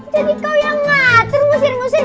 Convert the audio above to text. jadi kau yang ngatur musir musir